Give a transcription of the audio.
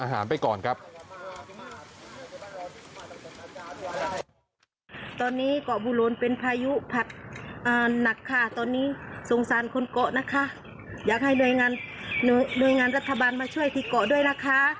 อยากให้หน่วยงานหน่วยงานรัฐบาลมาช่วยที่เกาะด้วยนะคะ